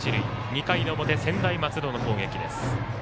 ２回の表、専大松戸の攻撃です。